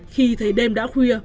khi thấy đêm đã khuya